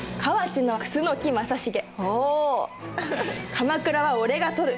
鎌倉は俺が取る！